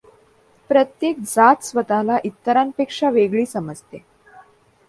प्रत्येक जात स्वतःला इतरांपेक्षा वेगळी समजते.